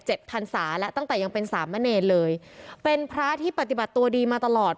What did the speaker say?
พันศาแล้วตั้งแต่ยังเป็นสามมะเนรเลยเป็นพระที่ปฏิบัติตัวดีมาตลอด